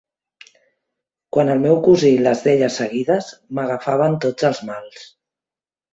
Quan el meu cosí les deia seguides m'agafaven tots els mals.